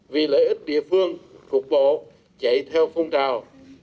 vì lợi ích địa phương phục bộ chạy theo phong trào